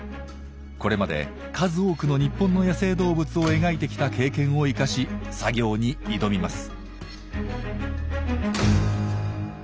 これまで数多くの日本の野生動物を描いてきた経験を生かし作業に挑みます。